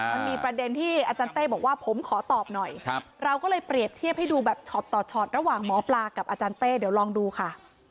มันมีประเด็นที่อาจารย์เต้บอกว่าผมขอตอบหน่อยเราก็เลยเปรียบเทียบให้ดูแบบช็อตต่อช็อตระหว่างหมอปลากับอาจารย์เต้เดี๋ยวลองดูค่ะ